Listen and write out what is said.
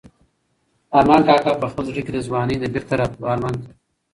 ارمان کاکا په خپل زړه کې د ځوانۍ د بېرته راتلو ارمان کاوه.